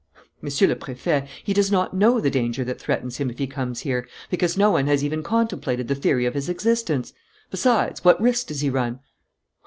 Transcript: "Monsieur le Préfet, he does not know the danger that threatens him if he comes here, because no one has even contemplated the theory of his existence. Besides, what risk does he run?"